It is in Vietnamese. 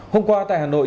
hôm qua tại hà nội